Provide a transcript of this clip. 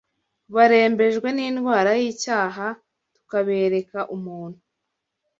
barembejwe n’indwara y’icyaha tukabereka Umuntu